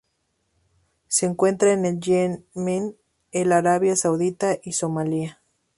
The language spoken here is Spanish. Se encuentra en el Yemen, el Arabia Saudita y Somalia.